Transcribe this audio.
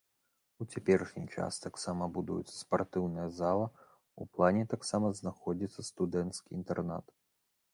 У цяперашні час таксама будуецца спартыўная зала, у плане таксама знаходзіцца студэнцкі інтэрнат.